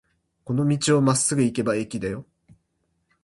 この道をまっすぐ行けば駅だよ。